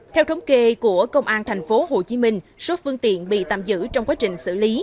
theo thống kê của công an tp hcm số phương tiện bị tạm giữ trong quá trình xử lý